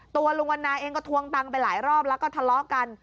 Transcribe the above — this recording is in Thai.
ตัวลุงวันนาเองก็ทวงตังค์ไปหลายรอบแล้วก็ทะเลาะกัน